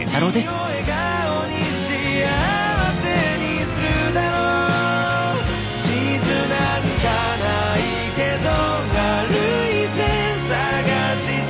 「君を笑顔に幸せにするだろう」「地図なんかないけど歩いて探して」